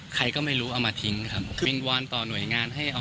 ใครก็ไม่รู้อามาทิ้ง